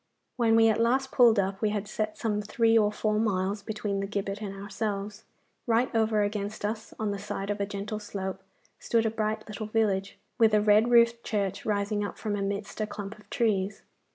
When we at last pulled up we had set some three or four miles between the gibbet and ourselves. Right over against us, on the side of a gentle slope, stood a bright little village, with a red roofed church rising up from amidst a clump of trees.